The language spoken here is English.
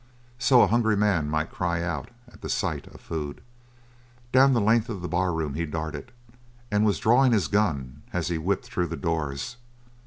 So a hungry man might cry out at the sight of food. Down the length of the barroom he darted and was drawing his gun as he whipped through the doors.